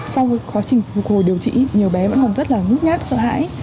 sau quá trình phục hồi điều trị nhiều bé vẫn còn rất là ngút nhát sợ hãi